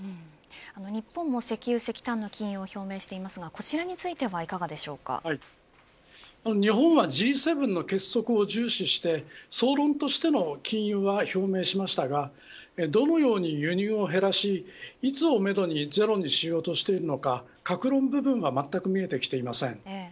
日本も石油、石炭の禁輸を表明していますが、こちらに日本はＧ７の結束を重視して総論としての禁輸は表明しましたがどのように輸入を減らしいつをめどにゼロにしようとしているのか各論部分はまったく見えてきていません。